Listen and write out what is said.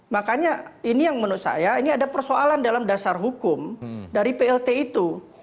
makanya ini yang menurut saya ini ada persoalan dalam dasar hukum dari plt itu